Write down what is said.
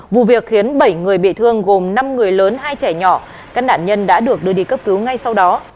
vụ việc khiến bảy người bị thương gồm năm người lớn hai trẻ nhỏ các nạn nhân đã được đưa đi cấp cứu ngay sau đó